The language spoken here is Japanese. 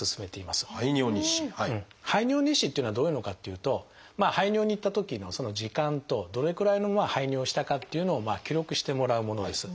排尿日誌っていうのはどういうのかっていうと排尿に行ったときの時間とどれくらいの排尿をしたかっていうのを記録してもらうものです。